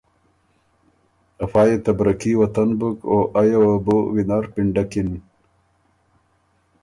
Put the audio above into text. افا يې ته برکي وطن بُک او ائ یه وه بُو وینر پِنډکِن۔